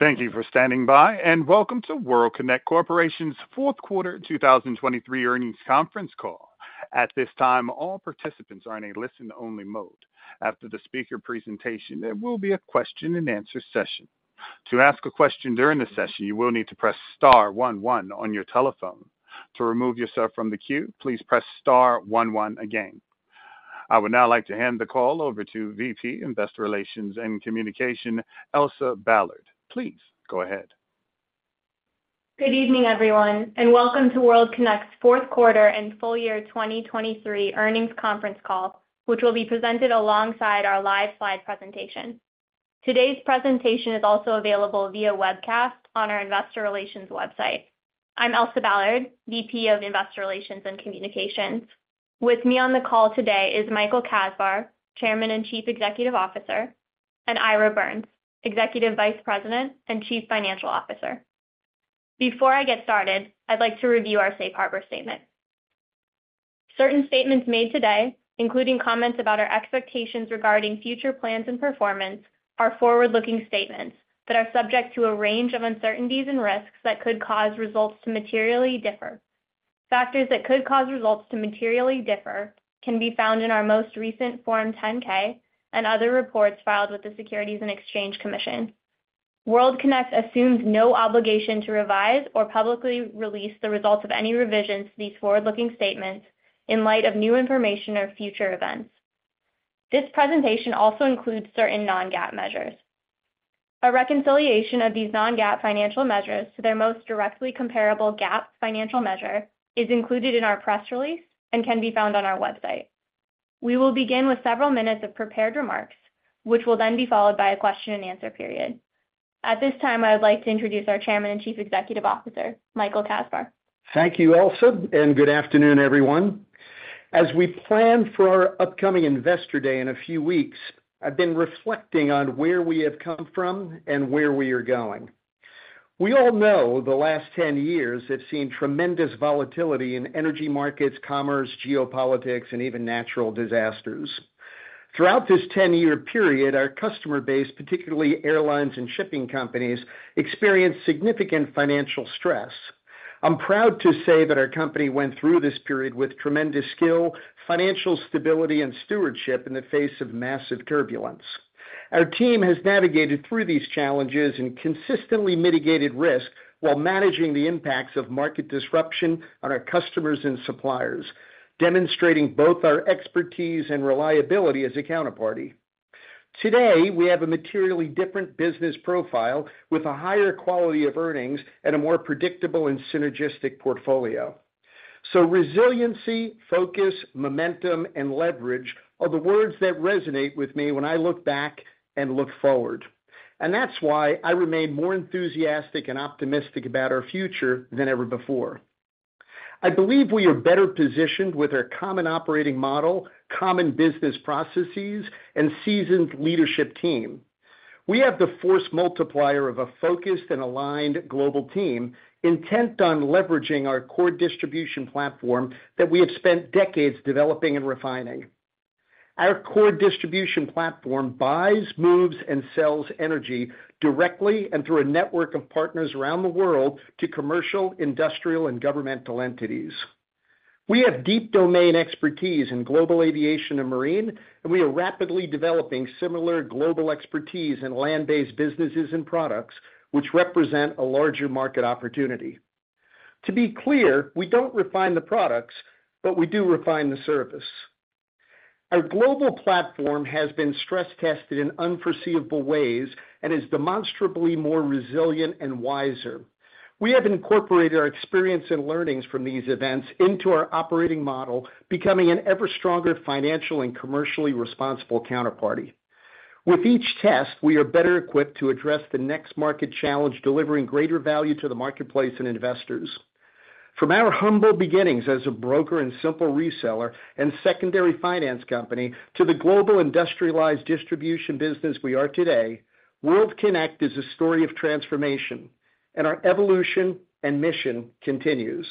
Thank you for standing by, and welcome to World Kinect Corporation's Fourth Quarter 2023 Earnings Conference Call. At this time, all participants are in a listen-only mode. After the speaker presentation, there will be a question-and-answer session. To ask a question during the session, you will need to press star one one on your telephone. To remove yourself from the queue, please press star one one again. I would now like to hand the call over to VP, Investor Relations and Communications, Elsa Ballard. Please go ahead. Good evening, everyone, and welcome to World Kinect's Fourth Quarter and Full Year 2023 Earnings Conference Call, which will be presented alongside our live slide presentation. Today's presentation is also available via webcast on our investor relations website. I'm Elsa Ballard, VP of Investor Relations and Communications. With me on the call today is Michael Kasbar, Chairman and Chief Executive Officer, and Ira Birns, Executive Vice President and Chief Financial Officer. Before I get started, I'd like to review our safe harbor statement. Certain statements made today, including comments about our expectations regarding future plans and performance, are forward-looking statements that are subject to a range of uncertainties and risks that could cause results to materially differ. Factors that could cause results to materially differ can be found in our most recent Form 10-K and other reports filed with the Securities and Exchange Commission. World Kinect assumes no obligation to revise or publicly release the results of any revisions to these forward-looking statements in light of new information or future events. This presentation also includes certain non-GAAP measures. A reconciliation of these non-GAAP financial measures to their most directly comparable GAAP financial measure is included in our press release and can be found on our website. We will begin with several minutes of prepared remarks, which will then be followed by a question-and-answer period. At this time, I would like to introduce our Chairman and Chief Executive Officer, Michael Kasbar. Thank you, Elsa, and good afternoon, everyone. As we plan for our upcoming Investor Day in a few weeks, I've been reflecting on where we have come from and where we are going. We all know the last 10 years have seen tremendous volatility in energy markets, commerce, geopolitics, and even natural disasters. Throughout this 10-year period, our customer base, particularly airlines and shipping companies, experienced significant financial stress. I'm proud to say that our company went through this period with tremendous skill, financial stability, and stewardship in the face of massive turbulence. Our team has navigated through these challenges and consistently mitigated risk while managing the impacts of market disruption on our customers and suppliers, demonstrating both our expertise and reliability as a counterparty. Today, we have a materially different business profile with a higher quality of earnings and a more predictable and synergistic portfolio. So resiliency, focus, momentum, and leverage are the words that resonate with me when I look back and look forward, and that's why I remain more enthusiastic and optimistic about our future than ever before. I believe we are better positioned with our common operating model, common business processes, and seasoned leadership team. We have the force multiplier of a focused and aligned global team intent on leveraging our core distribution platform that we have spent decades developing and refining. Our core distribution platform buys, moves, and sells energy directly and through a network of partners around the world to commercial, industrial, and governmental entities. We have deep domain expertise in global aviation and marine, and we are rapidly developing similar global expertise in land-based businesses and products, which represent a larger market opportunity. To be clear, we don't refine the products, but we do refine the service. Our global platform has been stress-tested in unforeseeable ways and is demonstrably more resilient and wiser. We have incorporated our experience and learnings from these events into our operating model, becoming an ever-stronger financial and commercially responsible counterparty. With each test, we are better equipped to address the next market challenge, delivering greater value to the marketplace and investors. From our humble beginnings as a broker and simple reseller and secondary finance company to the global industrialized distribution business we are today, World Kinect is a story of transformation, and our evolution and mission continues.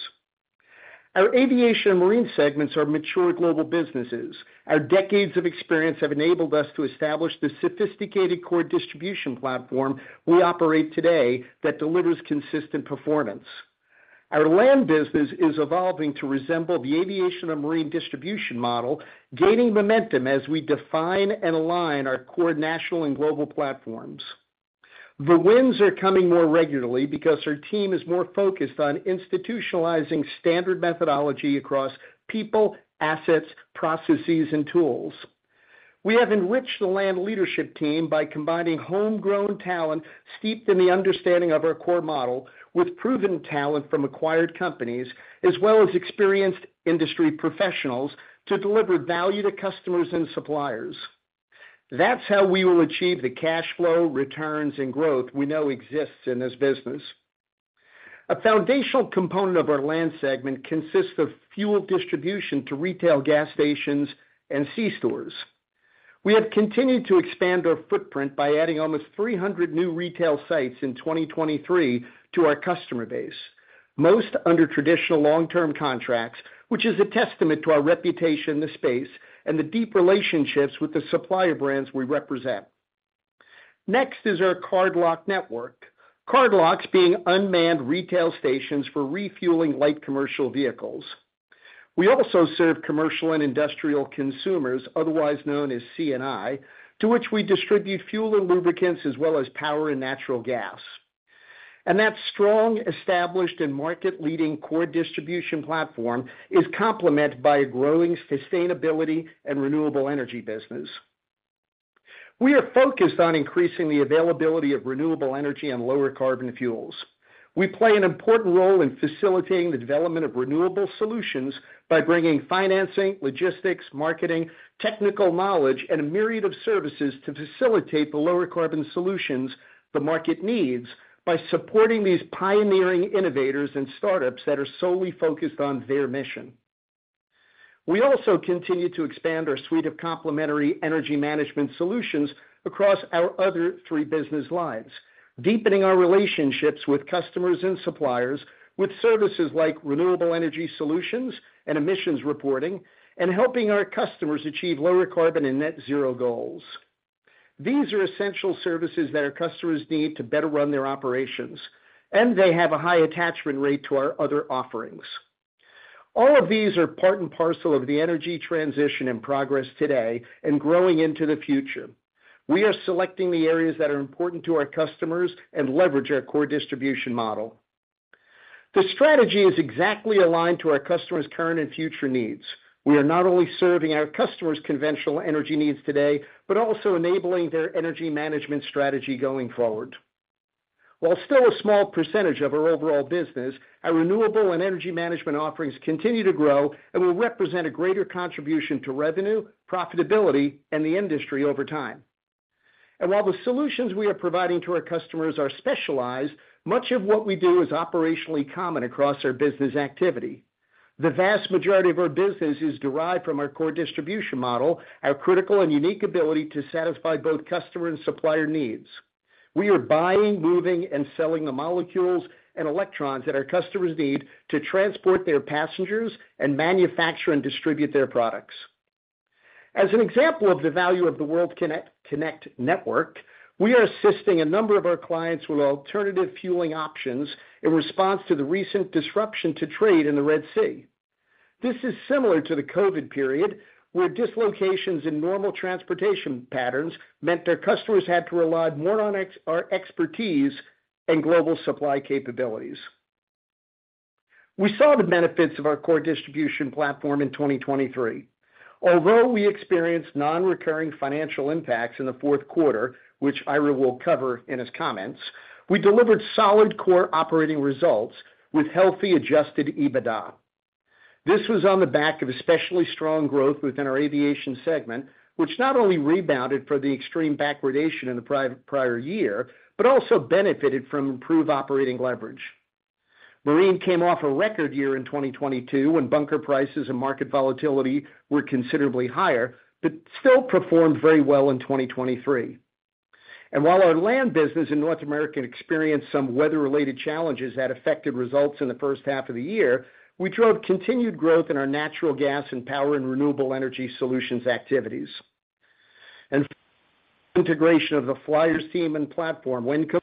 Our aviation and marine segments are mature global businesses. Our decades of experience have enabled us to establish the sophisticated core distribution platform we operate today that delivers consistent performance. Our land business is evolving to resemble the aviation and marine distribution model, gaining momentum as we define and align our core national and global platforms. The wins are coming more regularly because our team is more focused on institutionalizing standard methodology across people, assets, processes, and tools. We have enriched the land leadership team by combining homegrown talent, steeped in the understanding of our core model, with proven talent from acquired companies, as well as experienced industry professionals to deliver value to customers and suppliers. That's how we will achieve the cash flow, returns, and growth we know exists in this business. A foundational component of our land segment consists of fuel distribution to retail gas stations and C-stores. We have continued to expand our footprint by adding almost 300 new retail sites in 2023 to our customer base. Most under traditional long-term contracts, which is a testament to our reputation in the space and the deep relationships with the supplier brands we represent. Next is our cardlock network, cardlocks being unmanned retail stations for refueling light commercial vehicles. We also serve commercial and industrial consumers, otherwise known as C&I, to which we distribute fuel and lubricants, as well as power and natural gas. That strong, established, and market-leading core distribution platform is complemented by a growing sustainability and renewable energy business. We are focused on increasing the availability of renewable energy and lower carbon fuels. We play an important role in facilitating the development of renewable solutions by bringing financing, logistics, marketing, technical knowledge, and a myriad of services to facilitate the lower carbon solutions the market needs by supporting these pioneering innovators and startups that are solely focused on their mission. We also continue to expand our suite of complementary energy management solutions across our other three business lines, deepening our relationships with customers and suppliers, with services like renewable energy solutions and emissions reporting, and helping our customers achieve lower carbon and net zero goals. These are essential services that our customers need to better run their operations, and they have a high attachment rate to our other offerings. All of these are part and parcel of the energy transition in progress today and growing into the future. We are selecting the areas that are important to our customers and leverage our core distribution model. The strategy is exactly aligned to our customers' current and future needs. We are not only serving our customers' conventional energy needs today, but also enabling their energy management strategy going forward. While still a small percentage of our overall business, our renewable and energy management offerings continue to grow and will represent a greater contribution to revenue, profitability, and the industry over time. While the solutions we are providing to our customers are specialized, much of what we do is operationally common across our business activity. The vast majority of our business is derived from our core distribution model, our critical and unique ability to satisfy both customer and supplier needs. We are buying, moving, and selling the molecules and electrons that our customers need to transport their passengers and manufacture and distribute their products. As an example of the value of the World Kinect network, we are assisting a number of our clients with alternative fueling options in response to the recent disruption to trade in the Red Sea. This is similar to the COVID period, where dislocations in normal transportation patterns meant their customers had to rely more on our expertise and global supply capabilities. We saw the benefits of our core distribution platform in 2023. Although we experienced non-recurring financial impacts in the fourth quarter, which Ira will cover in his comments, we delivered solid core operating results with healthy, Adjusted EBITDA. This was on the back of especially strong growth within our aviation segment, which not only rebounded from the extreme backwardation in the prior year, but also benefited from improved operating leverage. Marine came off a record year in 2022, when bunker prices and market volatility were considerably higher, but still performed very well in 2023. And while our land business in North America experienced some weather-related challenges that affected results in the first half of the year, we drove continued growth in our natural gas and power and renewable energy solutions activities. And integration of the Flyers team and platform when co-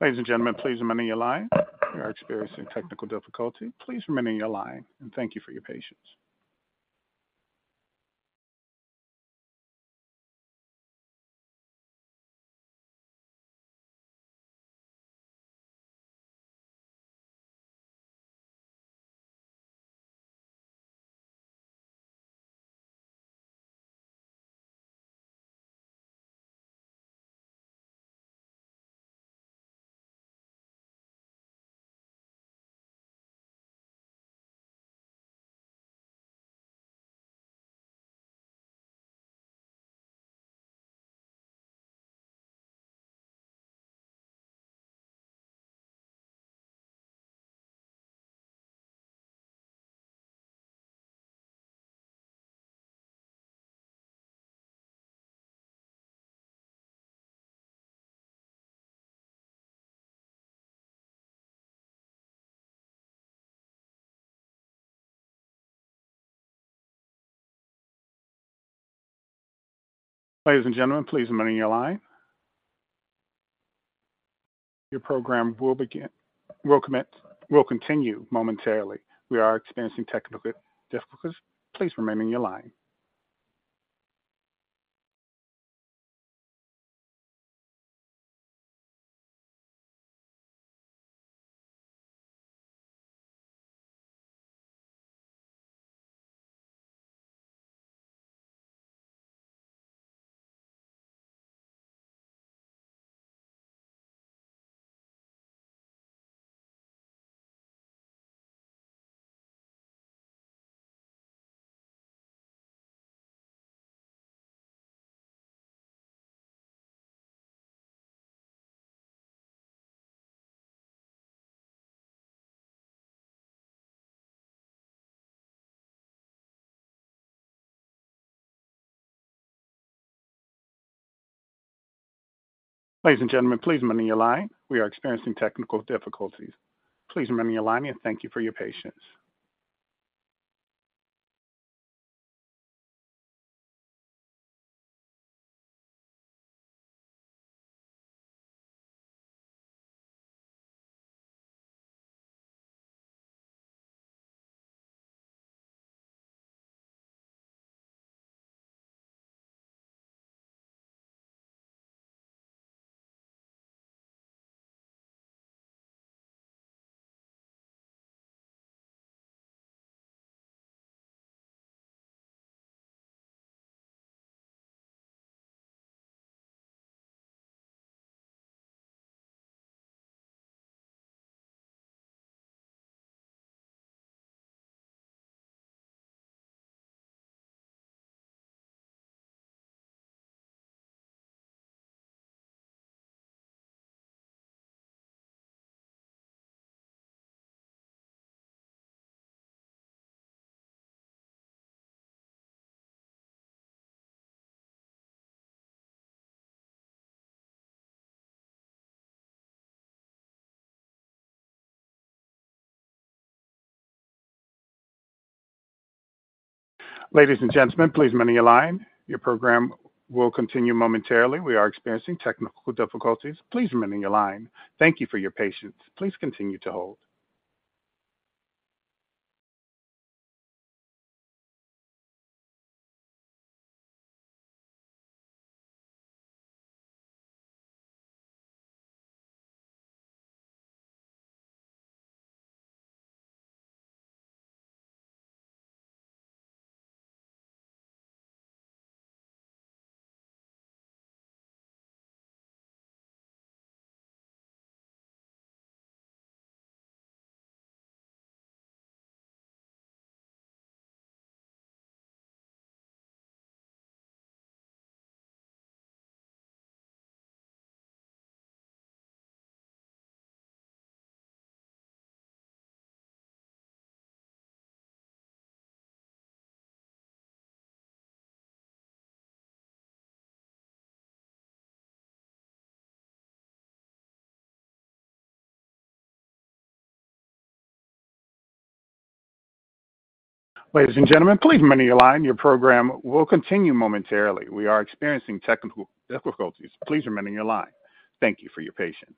Ladies and gentlemen, please remain on your line. We are experiencing technical difficulty. Please remain on your line, and thank you for your patience. on your line. Thank you for your patience.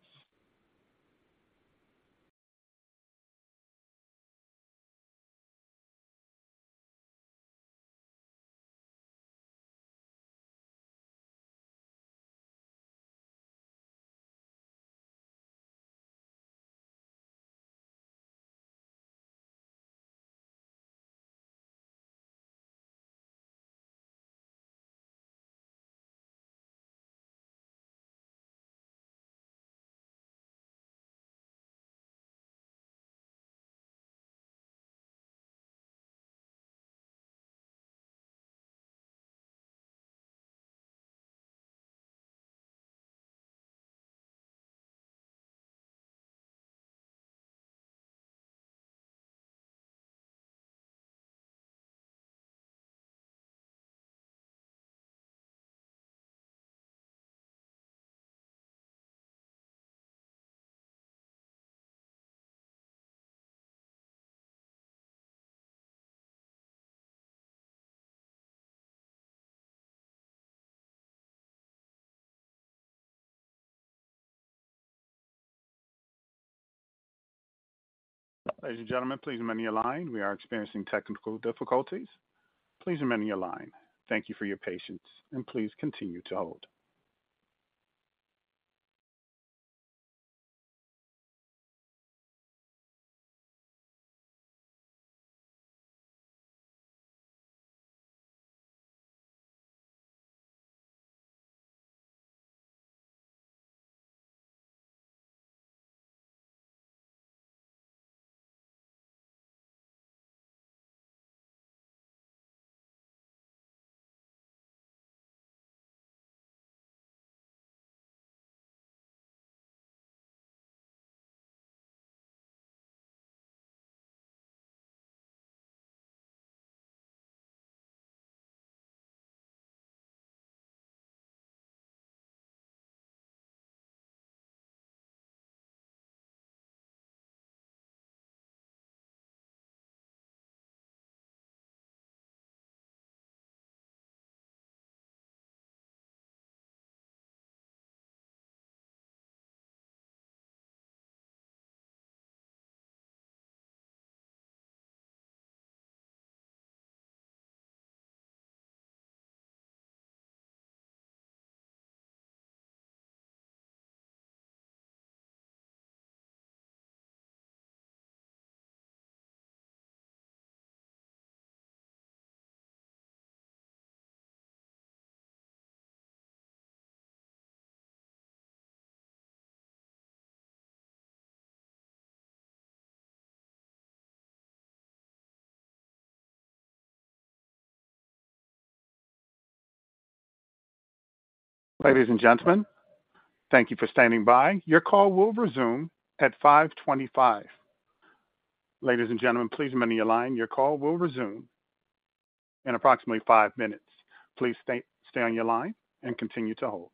Ladies and gentlemen, please remain on your line. We are experiencing technical difficulties. Please remain on your line. Thank you for your patience, and please continue to hold. Ladies and gentlemen, thank you for standing by. Your call will resume at 5:25 P.M. Ladies and gentlemen, please remain on your line. Your call will resume in approximately five minutes. Please stay, stay on your line and continue to hold.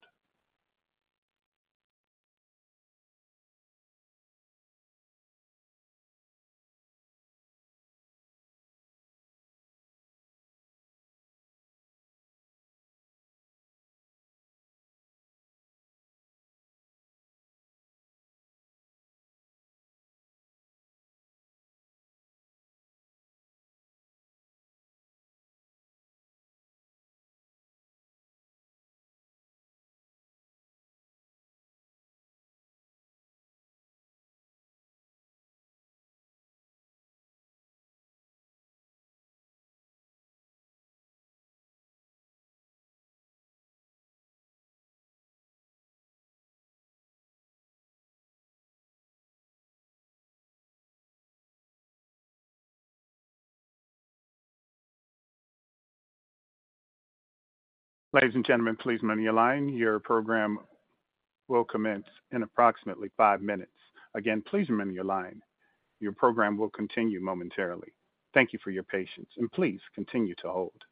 Ladies and gentlemen, please remain on your line. Your program will commence in approximately five minutes. Again, please remain on your line. Your program will continue momentarily. Thank you for your patience, and please continue to hold.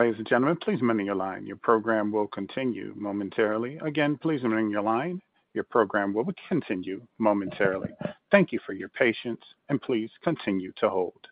Ladies and gentlemen, please remain on your line. Your program will continue momentarily. Again, please remain on your line. Your program will continue momentarily. Thank you for your patience, and please continue to hold.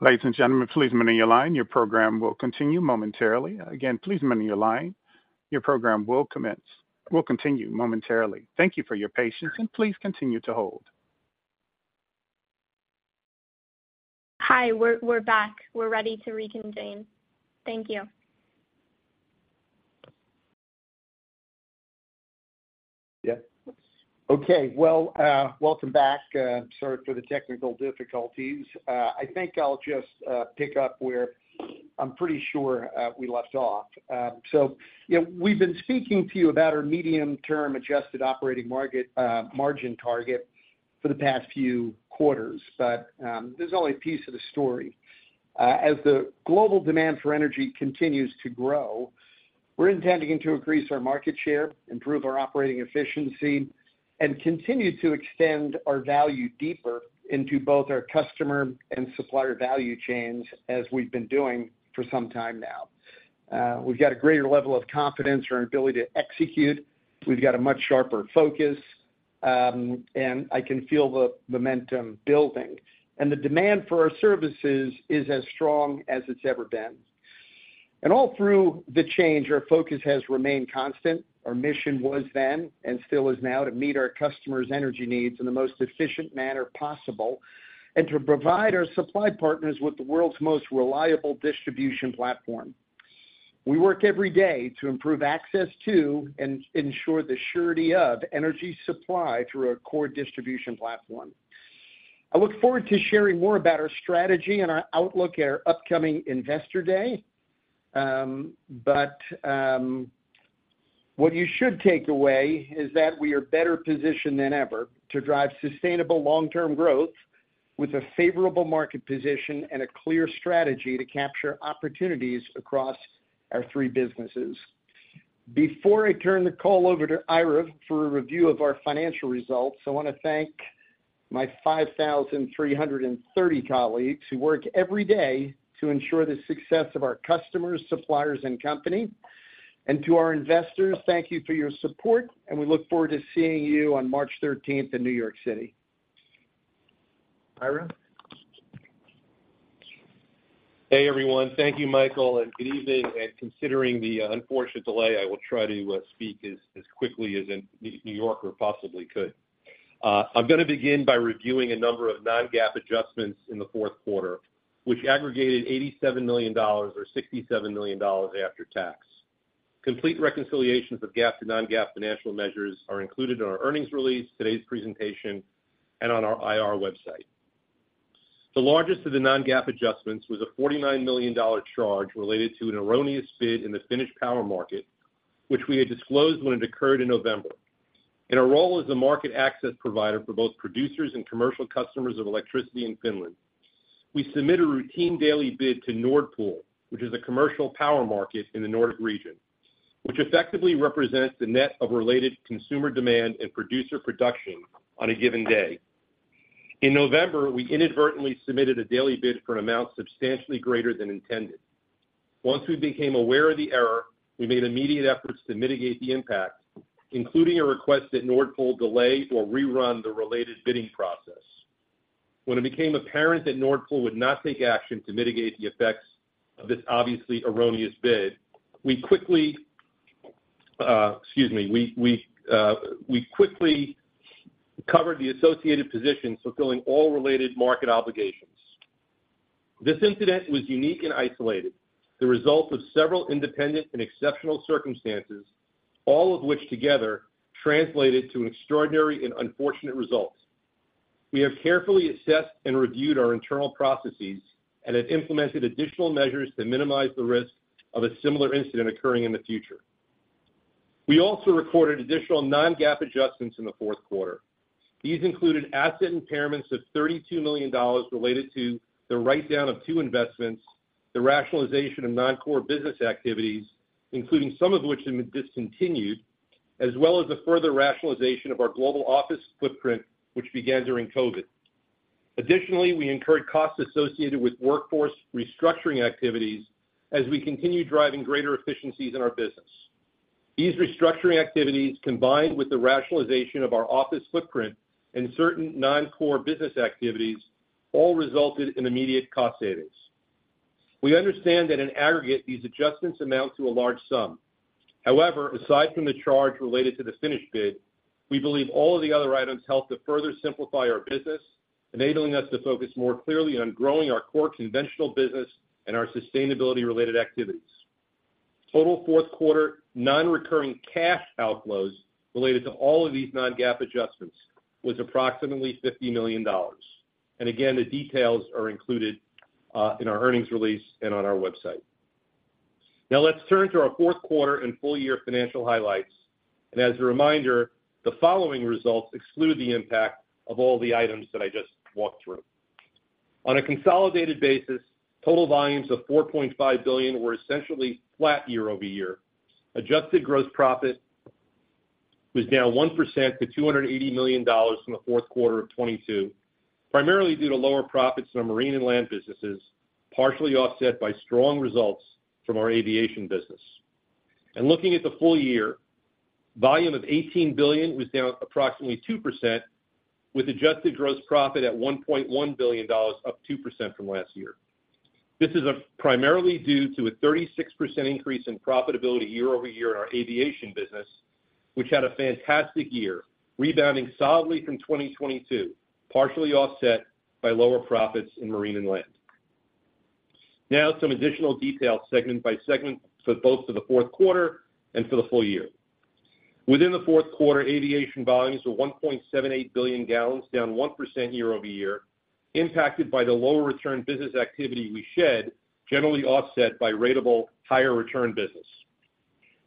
Ladies and gentlemen, please remain on your line. Your program will continue momentarily. Again, please remain on your line. Your program will continue momentarily. Thank you for your patience, and please continue to hold. Hi, we're back. We're ready to reconvene. Thank you. Yeah. Okay. Well, welcome back. Sorry for the technical difficulties. I think I'll just pick up where I'm pretty sure we left off. So, you know, we've been speaking to you about our medium-term adjusted operating margin target for the past few quarters, but there's only a piece of the story. As the global demand for energy continues to grow, we're intending to increase our market share, improve our operating efficiency, and continue to extend our value deeper into both our customer and supplier value chains, as we've been doing for some time now. We've got a greater level of confidence in our ability to execute. We've got a much sharper focus, and I can feel the momentum building. And the demand for our services is as strong as it's ever been. All through the change, our focus has remained constant. Our mission was then, and still is now, to meet our customers' energy needs in the most efficient manner possible, and to provide our supply partners with the world's most reliable distribution platform. We work every day to improve access to and ensure the surety of energy supply through our core distribution platform. I look forward to sharing more about our strategy and our outlook at our upcoming Investor Day. But what you should take away is that we are better positioned than ever to drive sustainable long-term growth with a favorable market position and a clear strategy to capture opportunities across our three businesses. Before I turn the call over to Ira for a review of our financial results, I wanna thank my 5,300 colleagues who work every day to ensure the success of our customers, suppliers, and company. To our investors, thank you for your support, and we look forward to seeing you on March 13th in New York City. Ira? Hey, everyone. Thank you, Michael, and good evening. Considering the unfortunate delay, I will try to speak as quickly as any New Yorker possibly could. I'm gonna begin by reviewing a number of non-GAAP adjustments in the fourth quarter, which aggregated $87 million or $67 million after tax. Complete reconciliations of GAAP to non-GAAP financial measures are included in our earnings release, today's presentation, and on our IR website. The largest of the non-GAAP adjustments was a $49 million dollar charge related to an erroneous bid in the Finnish power market, which we had disclosed when it occurred in November. In our role as a market access provider for both producers and commercial customers of electricity in Finland, we submit a routine daily bid to Nord Pool, which is a commercial power market in the Nordic region, which effectively represents the net of related consumer demand and producer production on a given day. In November, we inadvertently submitted a daily bid for an amount substantially greater than intended. Once we became aware of the error, we made immediate efforts to mitigate the impact, including a request that Nord Pool delay or rerun the related bidding process. When it became apparent that Nord Pool would not take action to mitigate the effects of this obviously erroneous bid, we quickly -- excuse me. We quickly covered the associated positions, fulfilling all related market obligations. This incident was unique and isolated, the result of several independent and exceptional circumstances, all of which together translated to extraordinary and unfortunate results. We have carefully assessed and reviewed our internal processes and have implemented additional measures to minimize the risk of a similar incident occurring in the future. We also recorded additional non-GAAP adjustments in the fourth quarter. These included asset impairments of $32 million related to the write-down of two investments, the rationalization of non-core business activities, including some of which have been discontinued, as well as the further rationalization of our global office footprint, which began during COVID. Additionally, we incurred costs associated with workforce restructuring activities as we continue driving greater efficiencies in our business. These restructuring activities, combined with the rationalization of our office footprint and certain non-core business activities, all resulted in immediate cost savings. We understand that in aggregate, these adjustments amount to a large sum. However, aside from the charge related to the Finnish bid, we believe all of the other items help to further simplify our business, enabling us to focus more clearly on growing our core conventional business and our sustainability-related activities. Total fourth quarter non-recurring cash outflows related to all of these non-GAAP adjustments was approximately $50 million. And again, the details are included in our earnings release and on our website. Now, let's turn to our fourth quarter and full year financial highlights. And as a reminder, the following results exclude the impact of all the items that I just walked through. On a consolidated basis, total volumes of 4.5 billion were essentially flat year-over-year. Adjusted gross profit was down 1% to $280 million from the fourth quarter of 2022, primarily due to lower profits in our marine and land businesses, partially offset by strong results from our aviation business. And looking at the full year, volume of 18 billion was down approximately 2%, with adjusted gross profit at $1.1 billion, up 2% from last year. This is primarily due to a 36% increase in profitability year-over-year in our aviation business, which had a fantastic year, rebounding solidly from 2022, partially offset by lower profits in marine and land. Now, some additional details, segment by segment, for both the fourth quarter and for the full year. Within the fourth quarter, aviation volumes were 1.78 billion gallons, down 1% year-over-year, impacted by the lower return business activity we shed, generally offset by ratable higher return business.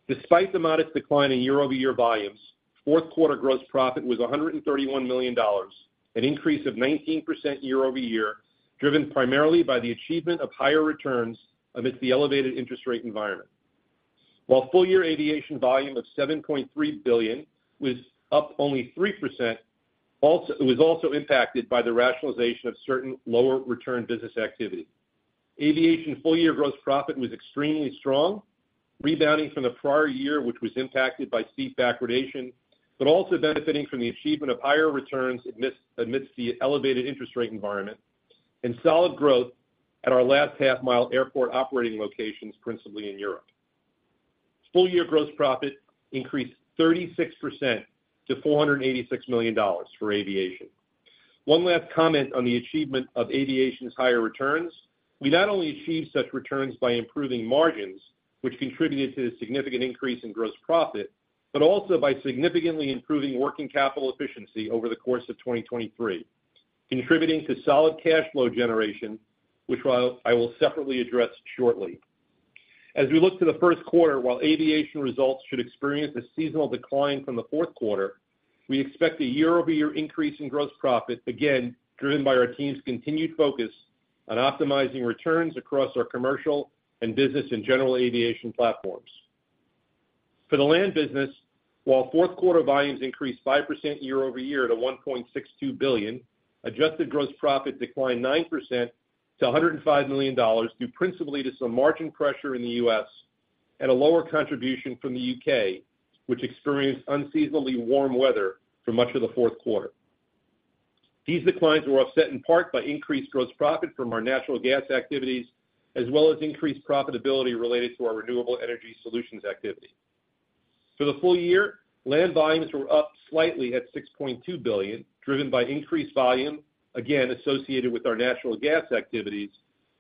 Despite the modest decline in year-over-year volumes, fourth quarter gross profit was $131 million, an increase of 19% year-over-year, driven primarily by the achievement of higher returns amidst the elevated interest rate environment. While full-year aviation volume of 7.3 billion was up only 3%, also, it was also impacted by the rationalization of certain lower return business activity. Aviation full-year gross profit was extremely strong, rebounding from the prior year, which was impacted by steep backwardation, but also benefiting from the achievement of higher returns amidst the elevated interest rate environment and solid growth at our last half-mile airport operating locations, principally in Europe. Full-year gross profit increased 36% to $486 million for aviation. One last comment on the achievement of aviation's higher returns. We not only achieved such returns by improving margins, which contributed to the significant increase in gross profit, but also by significantly improving working capital efficiency over the course of 2023, contributing to solid cash flow generation, which I will separately address shortly. As we look to the first quarter, while aviation results should experience a seasonal decline from the fourth quarter, we expect a year-over-year increase in gross profit, again, driven by our team's continued focus on optimizing returns across our commercial and business and general aviation platforms. For the land business, while fourth quarter volumes increased 5% year-over-year to 1.62 billion, adjusted gross profit declined 9% to $105 million, due principally to some margin pressure in the U.S. and a lower contribution from the U.K., which experienced unseasonably warm weather for much of the fourth quarter. These declines were offset in part by increased gross profit from our natural gas activities, as well as increased profitability related to our renewable energy solutions activity. For the full year, land volumes were up slightly at 6.2 billion, driven by increased volume, again, associated with our natural gas activities,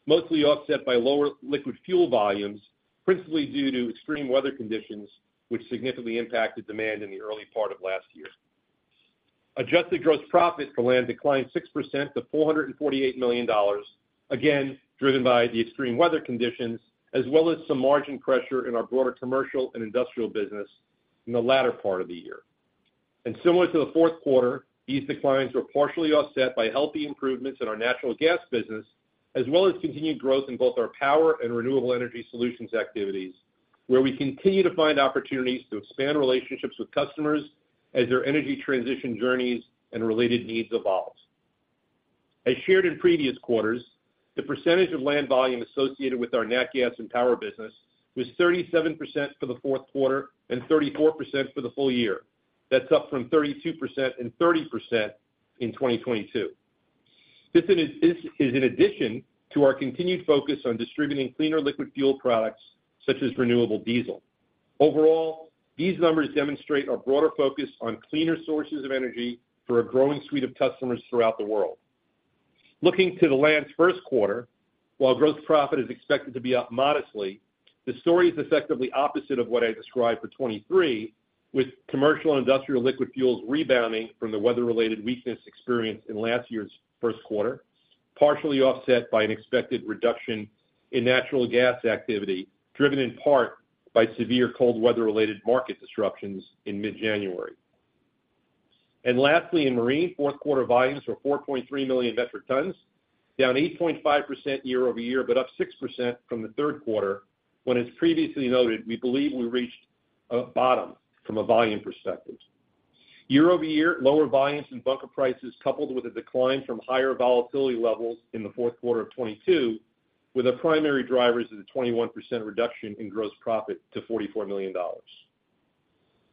mostly offset by lower liquid fuel volumes, principally due to extreme weather conditions, which significantly impacted demand in the early part of last year. Adjusted gross profit for land declined 6% to $448 million, again, driven by the extreme weather conditions, as well as some margin pressure in our broader commercial and industrial business in the latter part of the year. Similar to the fourth quarter, these declines were partially offset by healthy improvements in our natural gas business, as well as continued growth in both our power and renewable energy solutions activities, where we continue to find opportunities to expand relationships with customers as their energy transition journeys and related needs evolves. As shared in previous quarters, the percentage of land volume associated with our nat gas and power business was 37% for the fourth quarter and 34% for the full year. That's up from 32% and 30% in 2022. This is in addition to our continued focus on distributing cleaner liquid fuel products such as renewable diesel. Overall, these numbers demonstrate our broader focus on cleaner sources of energy for a growing suite of customers throughout the world. Looking to the Land's first quarter, while gross profit is expected to be up modestly, the story is effectively opposite of what I described for 2023, with commercial and industrial liquid fuels rebounding from the weather-related weakness experienced in last year's first quarter, partially offset by an expected reduction in natural gas activity, driven in part by severe cold weather-related market disruptions in mid-January. Lastly, in Marine, fourth quarter volumes were 4.3 million metric tons, down 8.5% year-over-year, but up 6% from the third quarter, when, as previously noted, we believe we reached a bottom from a volume perspective. Year-over-year, lower volumes and bunker prices, coupled with a decline from higher volatility levels in the fourth quarter of 2022, were the primary drivers of the 21% reduction in gross profit to $44 million.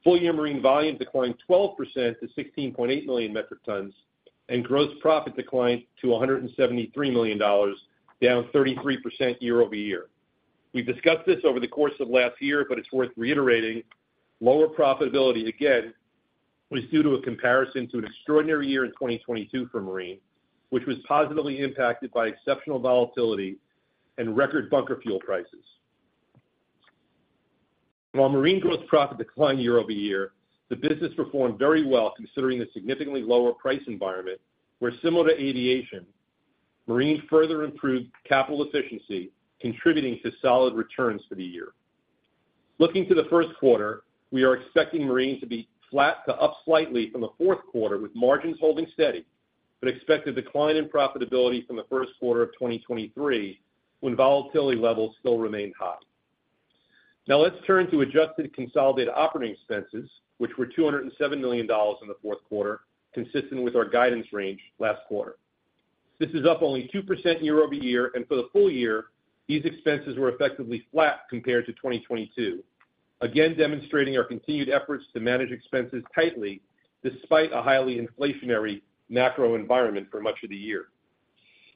Full-year marine volume declined 12% to 16.8 million metric tons, and gross profit declined to $173 million, down 33% year-over-year. We've discussed this over the course of last year, but it's worth reiterating. Lower profitability, again, was due to a comparison to an extraordinary year in 2022 for marine, which was positively impacted by exceptional volatility and record bunker fuel prices. While marine gross profit declined year-over-year, the business performed very well, considering the significantly lower price environment, where, similar to aviation, marine further improved capital efficiency, contributing to solid returns for the year. Looking to the first quarter, we are expecting marine to be flat to up slightly from the fourth quarter, with margins holding steady, but expected decline in profitability from the first quarter of 2023, when volatility levels still remain high. Now let's turn to adjusted consolidated operating expenses, which were $207 million in the fourth quarter, consistent with our guidance range last quarter. This is up only 2% year-over-year, and for the full year, these expenses were effectively flat compared to 2022. Again, demonstrating our continued efforts to manage expenses tightly, despite a highly inflationary macro environment for much of the year.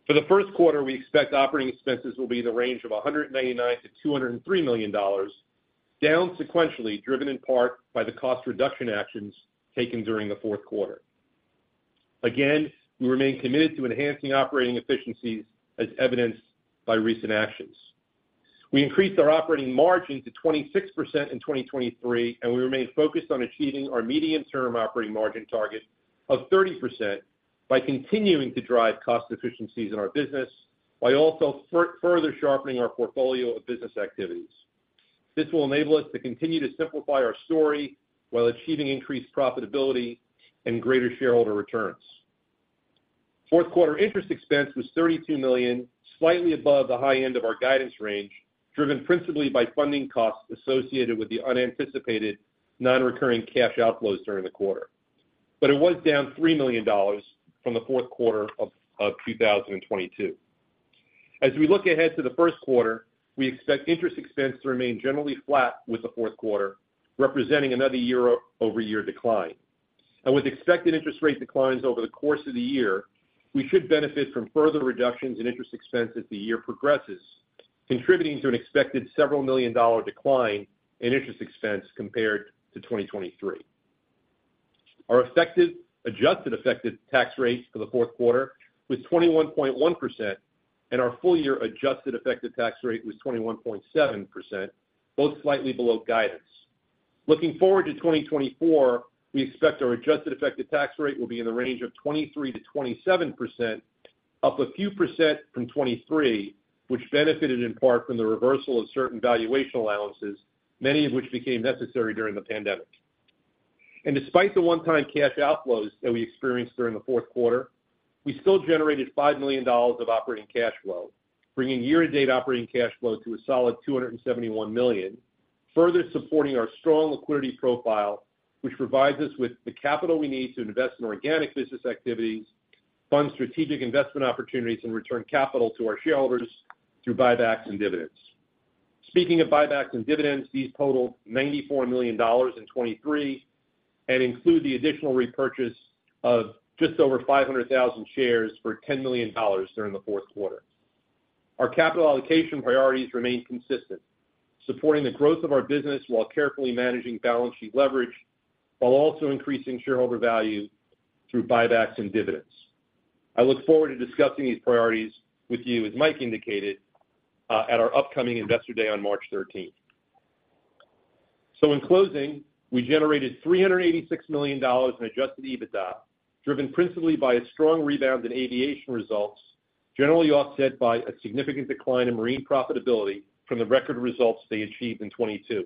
For the first quarter, we expect operating expenses will be in the range of $199 million-$203 million, down sequentially, driven in part by the cost reduction actions taken during the fourth quarter. Again, we remain committed to enhancing operating efficiencies, as evidenced by recent actions. We increased our operating margin to 26% in 2023, and we remain focused on achieving our medium-term operating margin target of 30% by continuing to drive cost efficiencies in our business, by also further sharpening our portfolio of business activities. This will enable us to continue to simplify our story while achieving increased profitability and greater shareholder returns. Fourth quarter interest expense was $32 million, slightly above the high end of our guidance range, driven principally by funding costs associated with the unanticipated non-recurring cash outflows during the quarter. But it was down $3 million from the fourth quarter of 2022. As we look ahead to the first quarter, we expect interest expense to remain generally flat with the fourth quarter, representing another year-over-year decline. And with expected interest rate declines over the course of the year, we should benefit from further reductions in interest expense as the year progresses, contributing to an expected several million-dollar decline in interest expense compared to 2023. Our adjusted effective tax rate for the fourth quarter was 21.1%, and our full-year adjusted effective tax rate was 21.7%, both slightly below guidance. Looking forward to 2024, we expect our adjusted effective tax rate will be in the range of 23%-27%, up a few percent from 23, which benefited in part from the reversal of certain valuation allowances, many of which became necessary during the pandemic. Despite the one-time cash outflows that we experienced during the fourth quarter, we still generated $5 million of operating cash flow, bringing year-to-date operating cash flow to a solid $271 million, further supporting our strong liquidity profile, which provides us with the capital we need to invest in organic business activities, fund strategic investment opportunities, and return capital to our shareholders through buybacks and dividends. Speaking of buybacks and dividends, these totaled $94 million in 2023, and include the additional repurchase of just over 500,000 shares for $10 million during the fourth quarter. Our capital allocation priorities remain consistent, supporting the growth of our business while carefully managing balance sheet leverage, while also increasing shareholder value through buybacks and dividends. I look forward to discussing these priorities with you, as Mike indicated, at our upcoming Investor Day on March 13. So in closing, we generated $386 million in Adjusted EBITDA, driven principally by a strong rebound in aviation results, generally offset by a significant decline in marine profitability from the record results they achieved in 2022.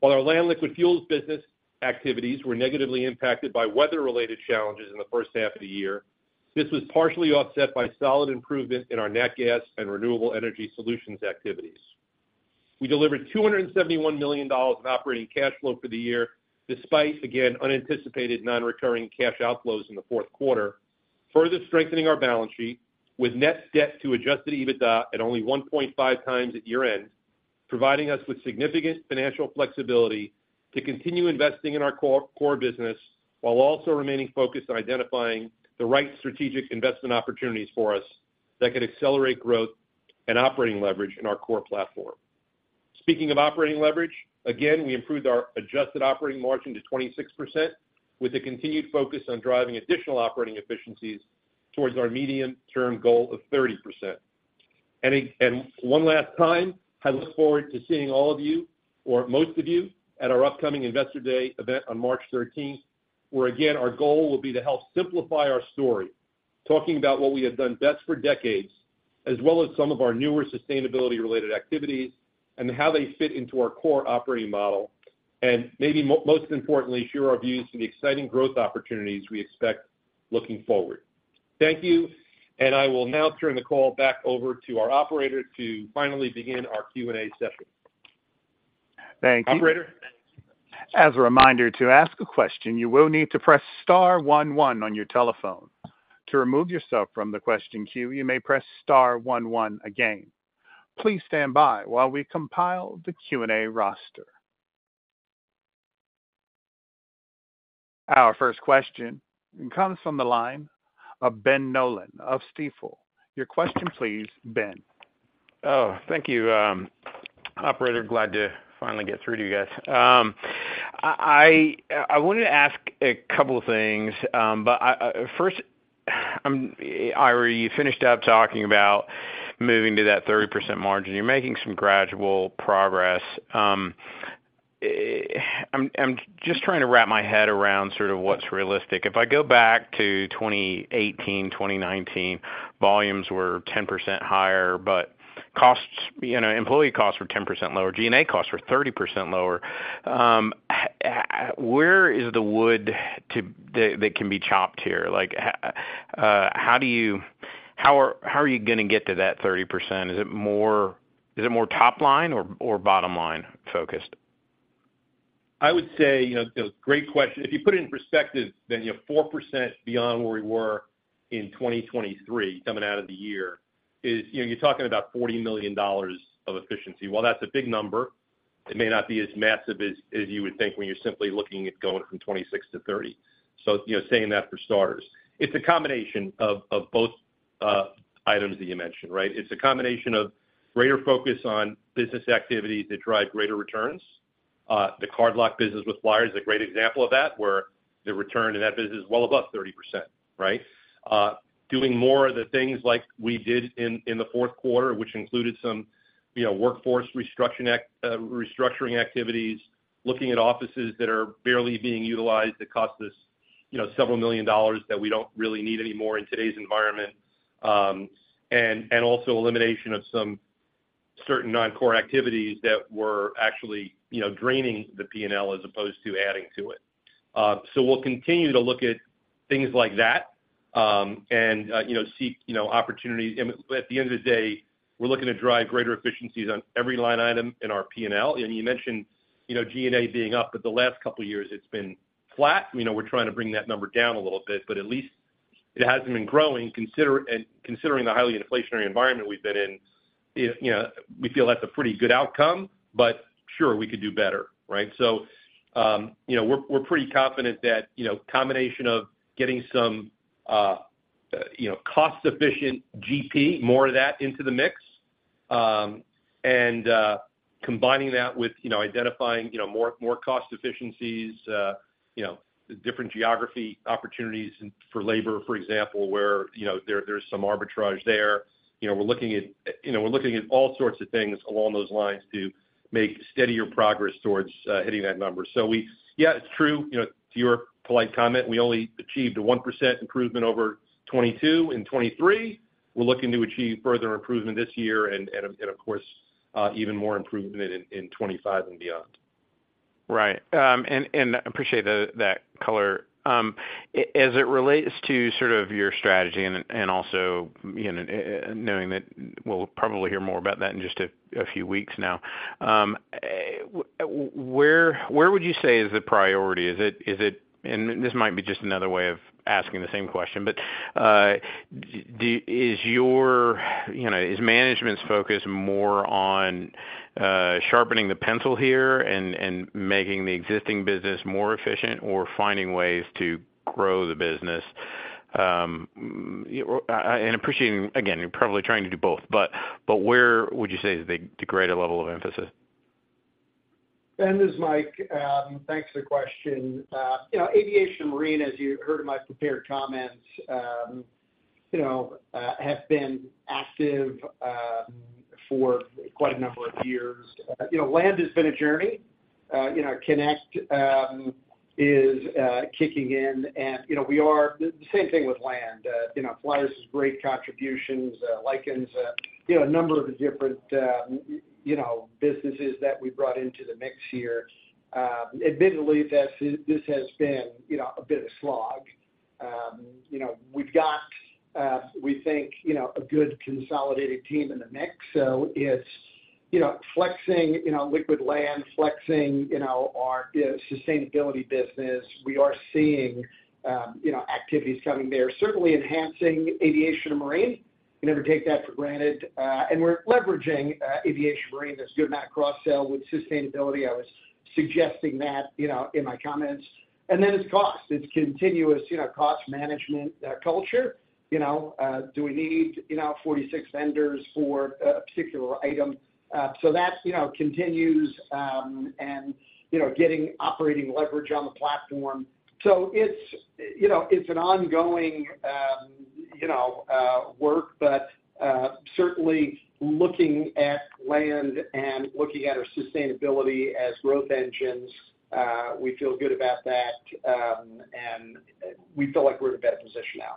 While our land liquid fuels business activities were negatively impacted by weather-related challenges in the first half of the year, this was partially offset by solid improvement in our nat gas and renewable energy solutions activities. We delivered $271 million of operating cash flow for the year, despite, again, unanticipated non-recurring cash outflows in the fourth quarter, further strengthening our balance sheet with net debt to Adjusted EBITDA at only 1.5x at year-end, providing us with significant financial flexibility to continue investing in our core, core business, while also remaining focused on identifying the right strategic investment opportunities for us that can accelerate growth and operating leverage in our core platform. Speaking of operating leverage, again, we improved our adjusted operating margin to 26%, with a continued focus on driving additional operating efficiencies towards our medium-term goal of 30%. And one last time, I look forward to seeing all of you, or most of you, at our upcoming Investor Day event on March thirteenth, where, again, our goal will be to help simplify our story, talking about what we have done best for decades, as well as some of our newer sustainability-related activities and how they fit into our core operating model, and maybe most importantly, share our views to the exciting growth opportunities we expect looking forward. Thank you, and I will now turn the call back over to our operator to finally begin our Q&A session. Thank you. Operator? As a reminder, to ask a question, you will need to press star one one on your telephone. To remove yourself from the question queue, you may press star one one again. Please stand by while we compile the Q&A roster. Our first question comes from the line of Ben Nolan of Stifel. Your question, please, Ben. Oh, thank you, operator. Glad to finally get through to you guys. I wanted to ask a couple of things, but I first, Ira, you finished up talking about moving to that 30% margin. You're making some gradual progress. I'm just trying to wrap my head around sort of what's realistic. If I go back to 2018, 2019, volumes were 10% higher, but costs, you know, employee costs were 10% lower, G&A costs were 30% lower. Where is the wood that can be chopped here? Like, how are you gonna get to that 30%? Is it more, is it more top line or, or bottom line focused? I would say, you know, great question. If you put it in perspective, Ben, you know, 4% beyond where we were in 2023, coming out of the year, is, you know, you're talking about $40 million of efficiency. While that's a big number, it may not be as massive as, as you would think when you're simply looking at going from 26%-30%. So, you know, saying that for starters. It's a combination of, of both items that you mentioned, right? It's a combination of greater focus on business activities that drive greater returns. The cardlock business with Flyers is a great example of that, where the return in that business is well above 30%, right? Doing more of the things like we did in the fourth quarter, which included some, you know, workforce restructuring activities, looking at offices that are barely being utilized, that cost us several $million that we don't really need anymore in today's environment, and also elimination of some certain non-core activities that were actually, you know, draining the P&L as opposed to adding to it. So we'll continue to look at things like that, and, you know, seek opportunities. And at the end of the day, we're looking to drive greater efficiencies on every line item in our P&L. And you mentioned, you know, G&A being up, but the last couple of years it's been flat. You know, we're trying to bring that number down a little bit, but at least it hasn't been growing, considering the highly inflationary environment we've been in, you know, we feel that's a pretty good outcome, but sure, we could do better, right? So, you know, we're pretty confident that, you know, combination of getting some, you know, cost-efficient GP, more of that into the mix, and combining that with, you know, identifying, you know, more cost efficiencies, you know, different geography opportunities and for labor, for example, where, you know, there's some arbitrage there. You know, we're looking at, you know, we're looking at all sorts of things along those lines to make steadier progress towards hitting that number. So, yeah, it's true, you know, to your polite comment, we only achieved a 1% improvement over 2022 and 2023. We're looking to achieve further improvement this year and of course even more improvement in 2025 and beyond. Right. And appreciate that color. As it relates to sort of your strategy and also, you know, knowing that we'll probably hear more about that in just a few weeks now. Where would you say is the priority? Is it, and this might be just another way of asking the same question, but is your, you know, is management's focus more on sharpening the pencil here and making the existing business more efficient or finding ways to grow the business? You know, and appreciating, again, you're probably trying to do both, but where would you say is the greater level of emphasis? Ben, this is Mike. Thanks for the question. You know, aviation and marine, as you heard in my prepared comments, you know, have been active for quite a number of years. You know, land has been a journey. You know, Connect is kicking in and, you know, we are the same thing with land. You know, Flyers has great contributions, Lykins, you know, a number of different, you know, businesses that we brought into the mix here. Admittedly, this has been, you know, a bit of a slog. You know, we've got, we think, you know, a good consolidated team in the mix. So it's, you know, flexing, you know, liquid land, flexing, you know, our sustainability business. We are seeing, you know, activities coming there, certainly enhancing aviation and marine. We never take that for granted, and we're leveraging aviation and marine. There's a good amount of cross-sell with sustainability. I was suggesting that, you know, in my comments. And then it's cost. It's continuous, you know, cost management culture. You know, do we need, you know, 46 vendors for a particular item? So that, you know, continues, and, you know, getting operating leverage on the platform. So it's, you know, it's an ongoing, you know, work, but certainly looking at land and looking at our sustainability as growth engines, we feel good about that, and we feel like we're in a better position now.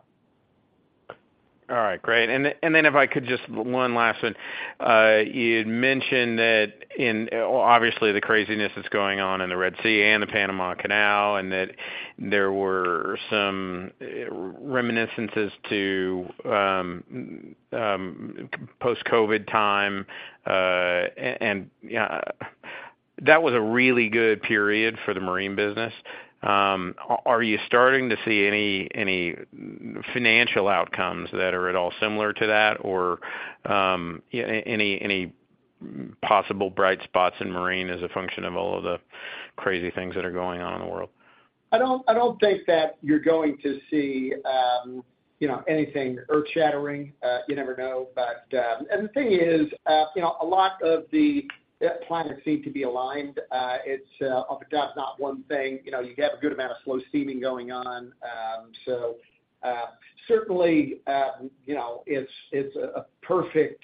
All right, great. And then if I could just. One last one. You'd mentioned that in, obviously, the craziness that's going on in the Red Sea and the Panama Canal, and that there were some reminiscences to post-COVID time, and yeah, that was a really good period for the marine business. Are you starting to see any financial outcomes that are at all similar to that? Or any possible bright spots in marine as a function of all of the crazy things that are going on in the world? I don't think that you're going to see, you know, anything earth-shattering. You never know, but. And the thing is, you know, a lot of the planets need to be aligned. It's, without doubt, not one thing. You know, you have a good amount of slow steaming going on. So, certainly, you know, it's a perfect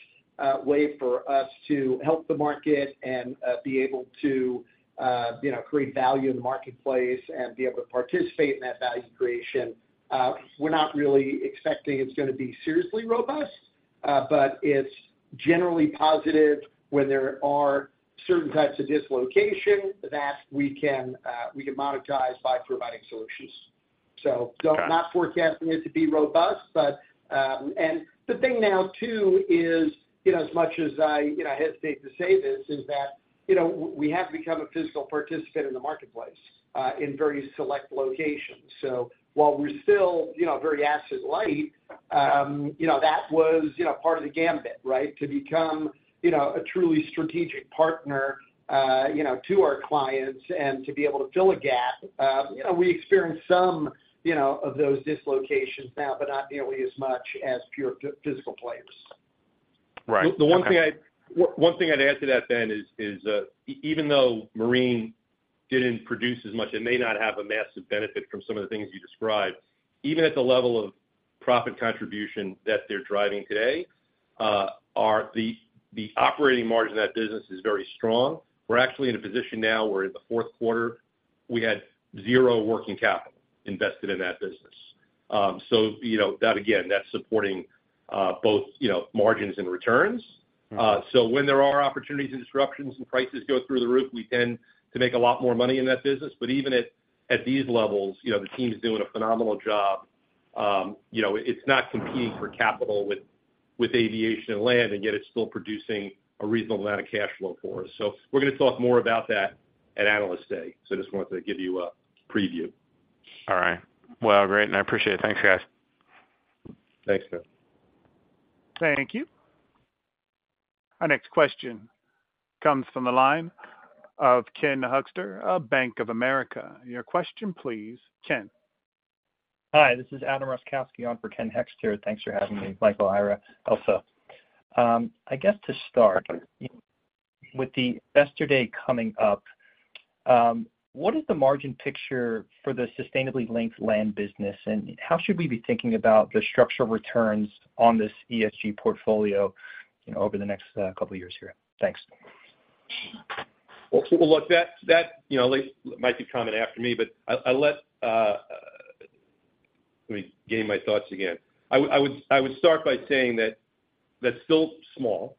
way for us to help the market and be able to, you know, create value in the marketplace and be able to participate in that value creation. We're not really expecting it's gonna be seriously robust, but it's generally positive when there are certain types of dislocation that we can monetize by providing solutions. So- Got it. not forecasting it to be robust, but, and the thing now, too, is, you know, as much as I, you know, hesitate to say this, is that, you know, we have become a physical participant in the marketplace, in very select locations. So while we're still, you know, very asset light, you know, that was, you know, part of the gambit, right? To become, you know, a truly strategic partner, you know, to our clients and to be able to fill a gap. You know, we experienced some, you know, of those dislocations now, but not nearly as much as pure physical players. Right. The one thing I'd add to that, Ben, is even though Marine didn't produce as much, it may not have a massive benefit from some of the things you described. Even at the level of profit contribution that they're driving today, the operating margin of that business is very strong. We're actually in a position now where in the fourth quarter, we had zero working capital invested in that business. So you know, that again that's supporting both you know margins and returns. Mm-hmm. So when there are opportunities and disruptions and prices go through the roof, we tend to make a lot more money in that business. But even at these levels, you know, the team's doing a phenomenal job. You know, it's not competing for capital with aviation and land, and yet it's still producing a reasonable amount of cash flow for us. So we're gonna talk more about that at Analyst Day, so just wanted to give you a preview. All right. Well, great, and I appreciate it. Thanks, guys. Thanks, Ben. Thank you. Our next question comes from the line of Ken Hoexter of Bank of America. Your question, please, Ken. Hi, this is Adam Roszkowski on for Ken Hoexter. Thanks for having me, Michael, Ira, Elsa. I guess to start, with the Investor Day coming up, what is the margin picture for the sustainably linked land business, and how should we be thinking about the structural returns on this ESG portfolio, you know, over the next, couple of years here? Thanks. Well, look, that, that, you know, Elsa might be coming after me, but I'll let. Let me gain my thoughts again. I would start by saying that that's still small,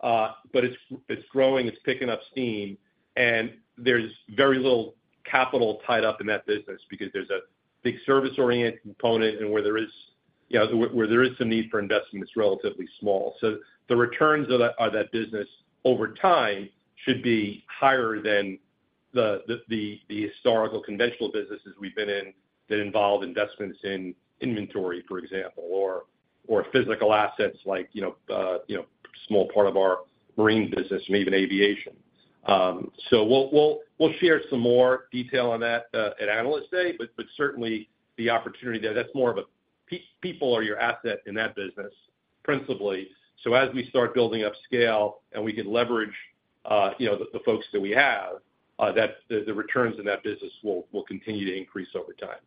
but it's growing, it's picking up steam, and there's very little capital tied up in that business because there's a big service-oriented component, and where there is, you know, where there is some need for investment, it's relatively small. So the returns of that business over time should be higher than the historical conventional businesses we've been in that involve investments in inventory, for example, or physical assets like, you know, small part of our marine business and even aviation. So we'll share some more detail on that at Analyst Day, but certainly the opportunity there, that's more of a people are your asset in that business, principally. So as we start building up scale and we can leverage, you know, the folks that we have, that the returns in that business will continue to increase over time.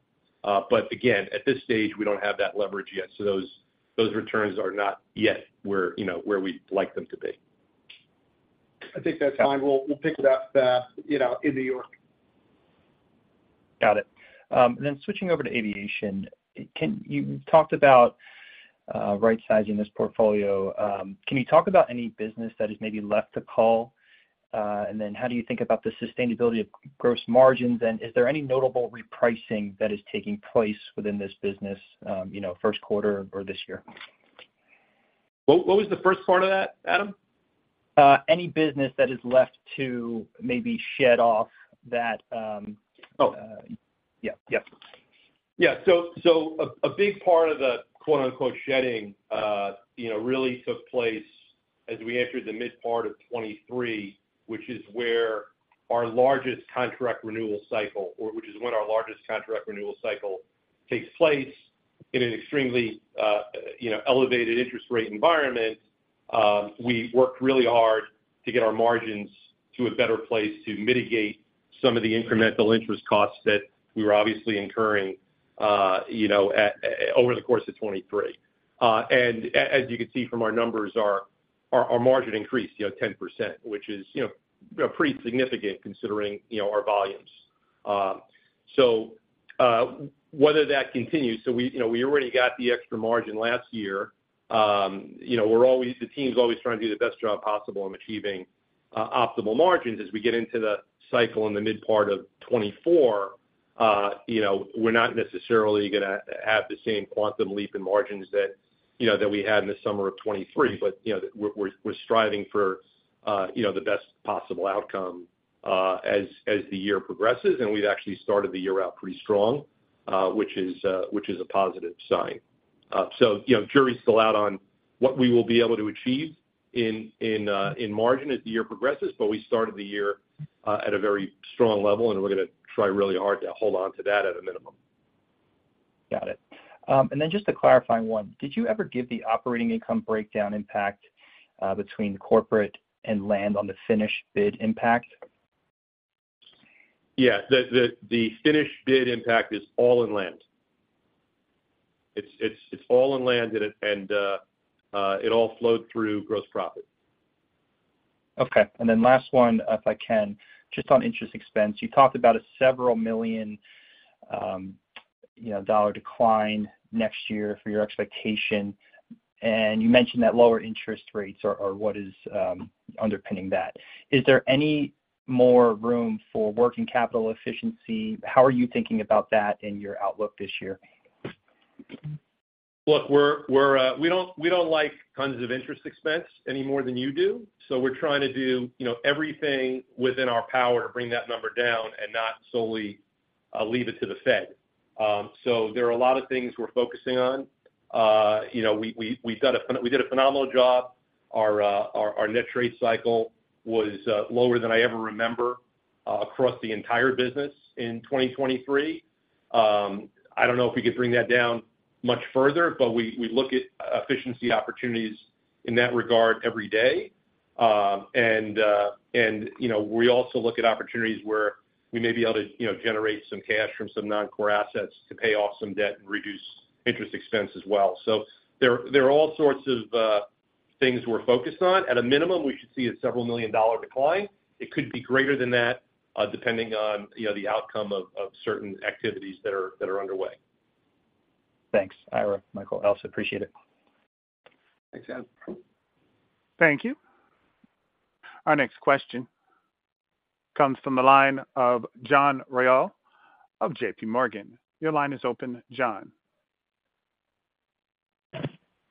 But again, at this stage, we don't have that leverage yet, so those returns are not yet where, you know, where we'd like them to be. I think that's fine. We'll, we'll pick it up, you know, in New York. Got it. And then switching over to aviation, can you talked about right-sizing this portfolio. Can you talk about any business that is maybe left to call? And then how do you think about the sustainability of gross margins, and is there any notable repricing that is taking place within this business, you know, first quarter or this year? What, what was the first part of that, Adam? Any business that is left to maybe shed off that. Oh. Yeah. Yeah. Yeah, so a big part of the quote-unquote "shedding," you know, really took place as we entered the mid part of 2023, which is where our largest contract renewal cycle, or which is when our largest contract renewal cycle takes place in an extremely, you know, elevated interest rate environment. We worked really hard to get our margins to a better place to mitigate some of the incremental interest costs that we were obviously incurring, you know, at, over the course of 2023. And as you can see from our numbers, our margin increased, you know, 10%, which is, you know, pretty significant considering, you know, our volumes. So, whether that continues, so we, you know, we already got the extra margin last year. You know, we're always, the team's always trying to do the best job possible on achieving optimal margins. As we get into the cycle in the mid part of 2024, you know, we're not necessarily gonna have the same quantum leap in margins that, you know, that we had in the summer of 2023. But, you know, we're striving for, you know, the best possible outcome, as the year progresses, and we've actually started the year out pretty strong, which is a positive sign. So, you know, jury's still out on what we will be able to achieve in margin as the year progresses, but we started the year at a very strong level, and we're gonna try really hard to hold on to that at a minimum. Got it. Then, just to clarify one, did you ever give the operating income breakdown impact between corporate and land on the Finnish bid impact? Yeah. The finished bid impact is all in land. It's all in land, and it all flowed through gross profit. Okay. Then last one, if I can, just on interest expense. You talked about a several million, you know, dollar decline next year for your expectation, and you mentioned that lower interest rates are what is underpinning that. Is there any more room for working capital efficiency? How are you thinking about that in your outlook this year? Look, we don't like tons of interest expense any more than you do, so we're trying to do, you know, everything within our power to bring that number down and not solely leave it to the Fed. So there are a lot of things we're focusing on. You know, we did a phenomenal job. Our net trade cycle was lower than I ever remember across the entire business in 2023. I don't know if we could bring that down much further, but we look at efficiency opportunities in that regard every day. And you know, we also look at opportunities where we may be able to, you know, generate some cash from some non-core assets to pay off some debt and reduce interest expense as well. So there are all sorts of things we're focused on. At a minimum, we should see a several $million-dollar decline. It could be greater than that, depending on, you know, the outcome of certain activities that are underway. Thanks, Ira, Michael, Elsa. Appreciate it. Thanks, Adam. Thank you. Our next question comes from the line of John Royall of JPMorgan. Your line is open, John.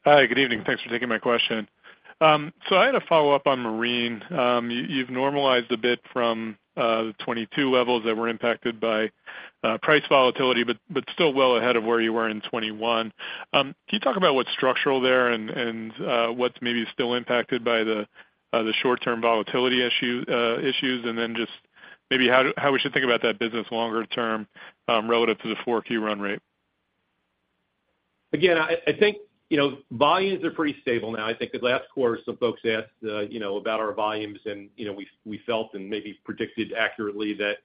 Hi, good evening. Thanks for taking my question. So I had a follow-up on Marine. You've normalized a bit from the 2022 levels that were impacted by price volatility, but still well ahead of where you were in 2021. Can you talk about what's structural there and what's maybe still impacted by the short-term volatility issues? And then just maybe how we should think about that business longer term, relative to the 4Q run rate. Again, I think, you know, volumes are pretty stable now. I think the last quarter, some folks asked, you know, about our volumes and, you know, we felt and maybe predicted accurately that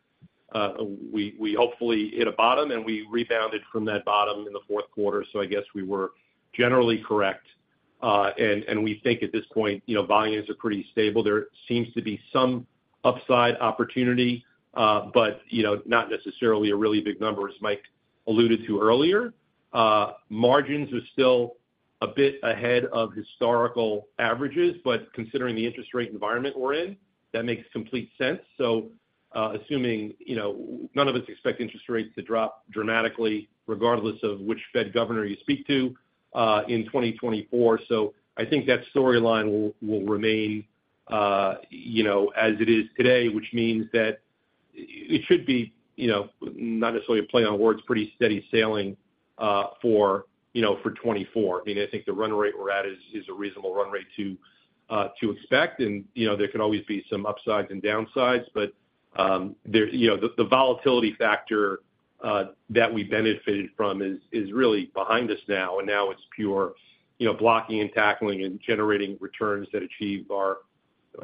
we hopefully hit a bottom and we rebounded from that bottom in the fourth quarter, so I guess we were generally correct. And we think at this point, you know, volumes are pretty stable. There seems to be some upside opportunity, but, you know, not necessarily a really big number, as Mike alluded to earlier. Margins are still a bit ahead of historical averages, but considering the interest rate environment we're in, that makes complete sense. So, assuming, you know, none of us expect interest rates to drop dramatically, regardless of which Fed governor you speak to, in 2024. So I think that storyline will remain, you know, as it is today, which means that it should be, you know, not necessarily a play on words, pretty steady sailing, for, you know, for 2024. I mean, I think the run rate we're at is a reasonable run rate to expect, and, you know, there can always be some upsides and downsides, but, you know, the volatility factor that we benefited from is really behind us now, and now it's pure, you know, blocking and tackling and generating returns that achieve our,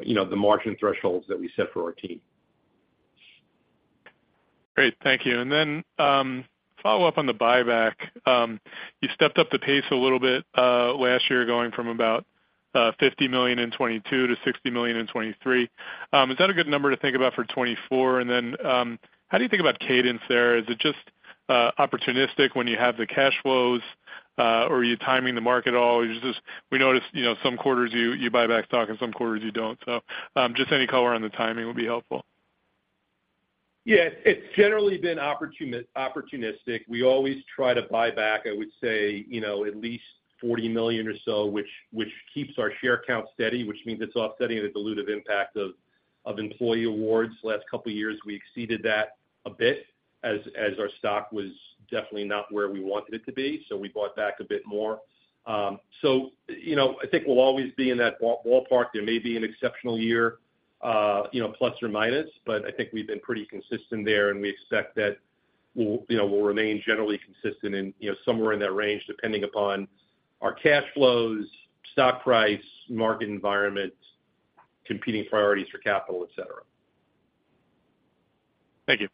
you know, the margin thresholds that we set for our team. Great, thank you. Then, follow up on the buyback. You stepped up the pace a little bit last year, going from about $50 million in 2022 to $60 million in 2023. Is that a good number to think about for 2024? And then, how do you think about cadence there? Is it just opportunistic when you have the cash flows, or are you timing the market at all? It's just we noticed, you know, some quarters you buy back stock and some quarters you don't. So, just any color on the timing would be helpful. Yeah, it's generally been opportunistic. We always try to buy back, I would say, you know, at least $40 million or so, which keeps our share count steady, which means it's offsetting the dilutive impact of employee awards. Last couple years, we exceeded that a bit as our stock was definitely not where we wanted it to be, so we bought back a bit more. So, you know, I think we'll always be in that ballpark. There may be an exceptional year, you know, plus or minus, but I think we've been pretty consistent there, and we expect that we'll, you know, we'll remain generally consistent and, you know, somewhere in that range, depending upon our cash flows, stock price, market environment, competing priorities for capital, et cetera. Thank you.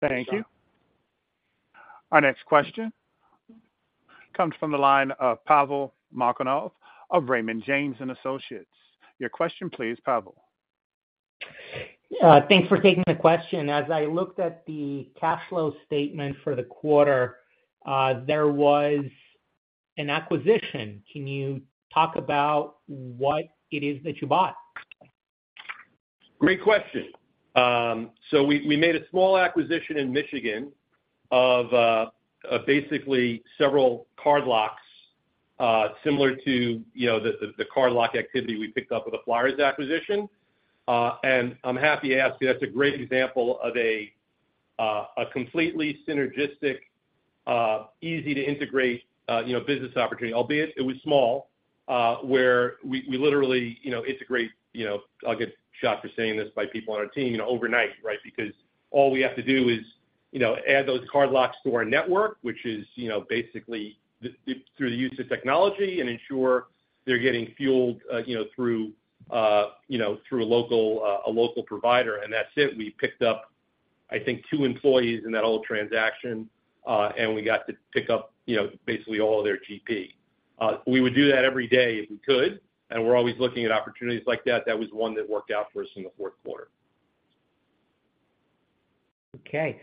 Thank you. Our next question comes from the line of Pavel Molchanov of Raymond James & Associates. Your question please, Pavel. Thanks for taking the question. As I looked at the cash flow statement for the quarter, there was an acquisition. Can you talk about what it is that you bought? Great question. So we made a small acquisition in Michigan of basically several cardlocks, similar to, you know, the cardlock activity we picked up with the Flyers acquisition. And I'm happy to ask you, that's a great example of a completely synergistic, easy to integrate, you know, business opportunity. Albeit, it was small, where we literally, you know, integrate, you know, I'll get shot for saying this by people on our team, you know, overnight, right? Because all we have to do is, you know, add those cardlocks to our network, which is, you know, basically through the use of technology and ensure they're getting fueled, you know, through a local provider, and that's it. We picked up, I think, two employees in that whole transaction, and we got to pick up, you know, basically all of their GP. We would do that every day if we could, and we're always looking at opportunities like that. That was one that worked out for us in the fourth quarter. Okay,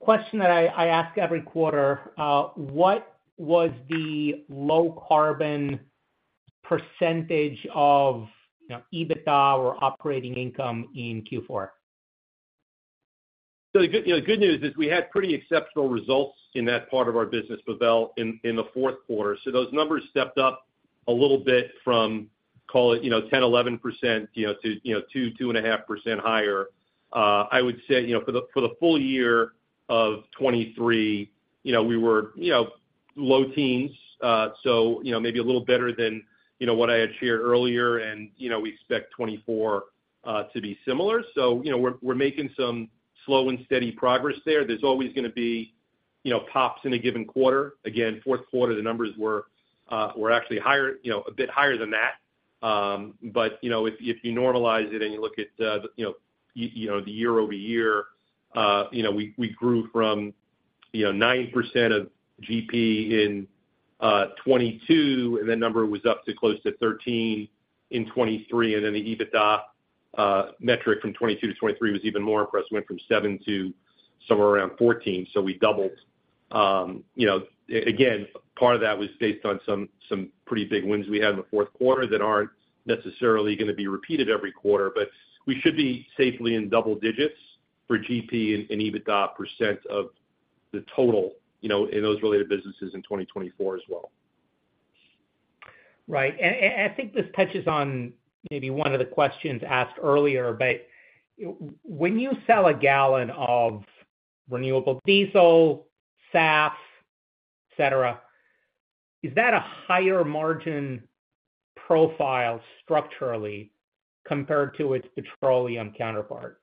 question that I ask every quarter, what was the low carbon percentage of, you know, EBITDA or operating income in Q4? So the good news is we had pretty exceptional results in that part of our business, Pavel, in the fourth quarter. So those numbers stepped up a little bit from, call it, you know, 10%-11%, you know, to, you know, 2%-2.5% higher. I would say, you know, for the full year of 2023, you know, we were, you know, low teens. So, you know, maybe a little better than, you know, what I had shared earlier, and, you know, we expect 2024 to be similar. So, you know, we're making some slow and steady progress there. There's always gonna be, you know, pops in a given quarter. Again, fourth quarter, the numbers were actually higher, you know, a bit higher than that. But, you know, if, if you normalize it and you look at, you know, you know, the year-over-year, you know, we grew from, you know, 9% of GP in, twenty-two, and that number was up to close to 13 in twenty-three. And then the EBITDA, metric from twenty-two to twenty-three was even more impressive. It went from 7 to somewhere around 14, so we doubled. You know, again, part of that was based on some pretty big wins we had in the fourth quarter that aren't necessarily gonna be repeated every quarter, but we should be safely in double digits for GP and EBITDA% of the total, you know, in those related businesses in 2024 as well. Right. And I think this touches on maybe one of the questions asked earlier, but when you sell a gallon of Renewable Diesel, SAF, et cetera, is that a higher margin profile structurally compared to its petroleum counterpart?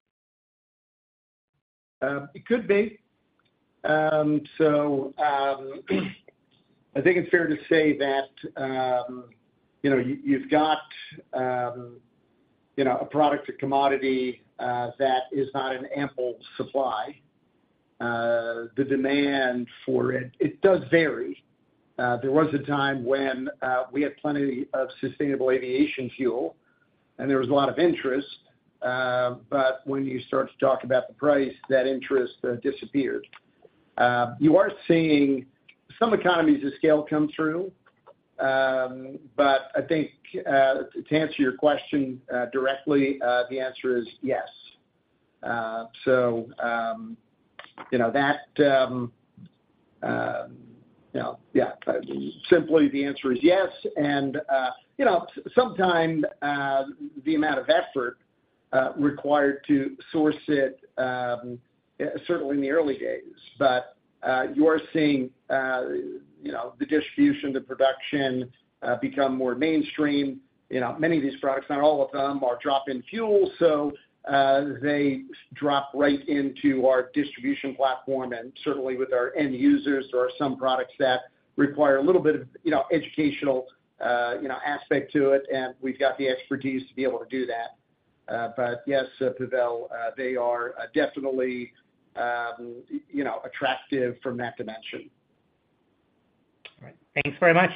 It could be. So, I think it's fair to say that, you know, you've got. you know, a product, a commodity, that is not in ample supply. The demand for it, it does vary. There was a time when we had plenty of sustainable aviation fuel, and there was a lot of interest, but when you start to talk about the price, that interest disappeared. You are seeing some economies of scale come through, but I think, to answer your question, directly, the answer is yes. So, you know, that, you know, yeah, simply the answer is yes. And, you know, sometime, the amount of effort required to source it, certainly in the early days. But, you are seeing, you know, the distribution, the production, become more mainstream. You know, many of these products, not all of them, are drop-in fuel, so, they drop right into our distribution platform. And certainly with our end users, there are some products that require a little bit of, you know, educational, you know, aspect to it, and we've got the expertise to be able to do that. But yes, Pavel, they are definitely, you know, attractive from that dimension. All right. Thanks very much.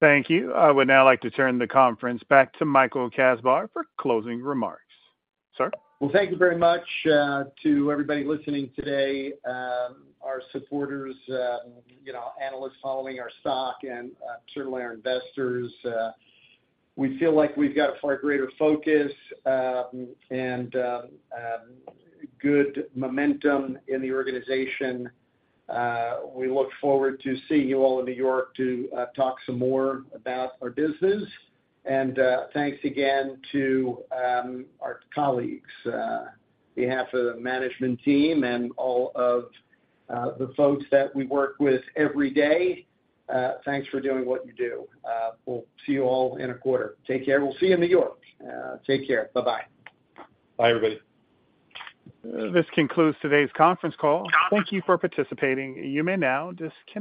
Thank you. I would now like to turn the conference back to Michael Kasbar for closing remarks. Sir? Well, thank you very much to everybody listening today, our supporters, you know, analysts following our stock and certainly our investors. We feel like we've got a far greater focus and good momentum in the organization. We look forward to seeing you all in New York to talk some more about our business. And thanks again to our colleagues. On behalf of the management team and all of the folks that we work with every day, thanks for doing what you do. We'll see you all in a quarter. Take care. We'll see you in New York. Take care. Bye-bye. Bye, everybody. This concludes today's conference call. Thank you for participating. You may now disconnect.